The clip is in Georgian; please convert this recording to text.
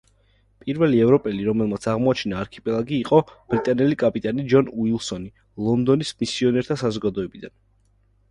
პირველი ევროპელი, რომელმაც აღმოაჩინა არქიპელაგი იყო ბრიტანელი კაპიტანი ჯონ უილსონი ლონდონის მისიონერთა საზოგადოებიდან.